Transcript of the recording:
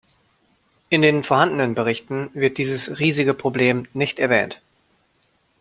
In den vorhandenen Berichten wird dieses riesige Problem nicht erwähnt.